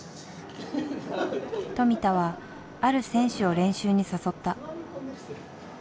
富田はある選手を練習に誘った。